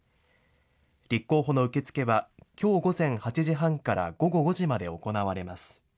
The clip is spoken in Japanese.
立候補の受け付けは、きょう午前８時半から午後５時まで行われます。